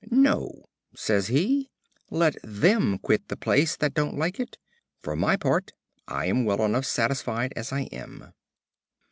"No," says he, "let them quit the place that don't like it; for my part, I am well enough satisfied as I am."